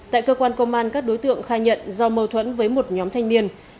tại cơ quan công an các đối tượng khai nhận do mâu thuẫn với một nhóm thanh niên